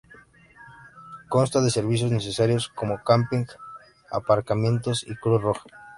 Consta de servicios necesarios como camping, aparcamientos y Cruz Roja.